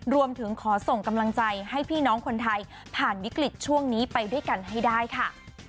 รวมถึงขอส่งกำลังใจให้พี่น้องคนไทยผ่านวิกฤตช่วงนี้ไปด้วยกันให้ได้ค่ะ